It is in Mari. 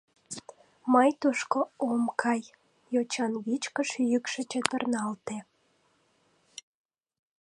Мый тушко ом кай.. — йочан вичкыж йӱкшӧ чытырналте.